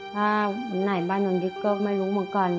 ถ้าไหนบ้านเหมือนนี้ก็ไม่รู้เหมือนกัน